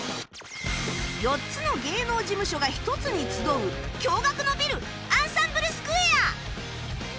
４つの芸能事務所が１つに集う驚愕のビルアンサンブルスクエア